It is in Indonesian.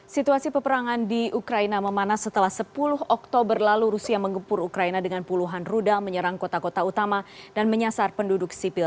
situasi peperangan di ukraina memanas setelah sepuluh oktober lalu rusia mengepur ukraina dengan puluhan rudal menyerang kota kota utama dan menyasar penduduk sipil